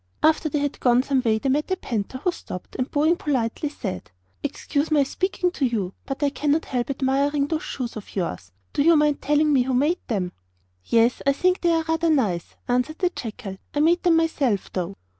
After they had gone some way they met a panther, who stopped, and bowing politely, said: 'Excuse my speaking to you, but I cannot help admiring those shoes of yours. Do you mind telling me who made them?' 'Yes, I think they are rather nice,' answered the jackal; 'I made them myself, though.